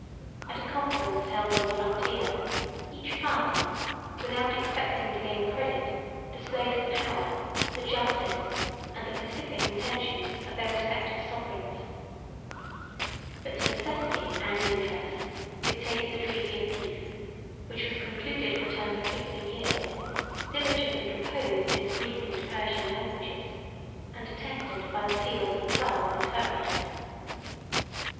At a conference held on the frontier, each party, without expecting to gain credit, displayed the power, the justice, and the pacific intentions, of their respective sovereigns; but necessity and interest dictated the treaty of peace, which was concluded for a term of fifty years, diligently composed in the Greek and Persian languages, and attested by the seals of twelve interpreters.